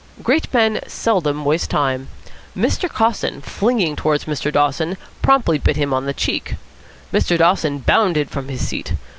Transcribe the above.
Great men seldom waste time. Mr. Coston, leaning towards Mr. Dawson, promptly bit him on the cheek. Mr. Dawson bounded from his seat.